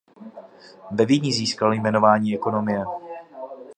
Ve Vídni získal jmenování ekonomie.